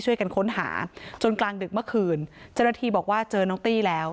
ช่วยกันค้นหาจนกลางดึกเมื่อคืนเจ้าหน้าที่บอกว่าเจอน้องตี้แล้ว